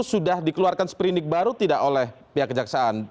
sudah dikeluarkan seperindik baru tidak oleh pihak kejaksaan